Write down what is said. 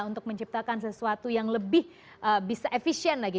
untuk menciptakan sesuatu yang lebih bisa efisien lagi